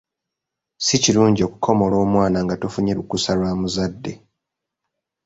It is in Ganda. Si kirungi okukomola mwana nga tofunye lukusa lwa muzadde.